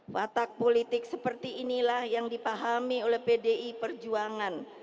watak politik seperti inilah yang dipahami oleh pdi perjuangan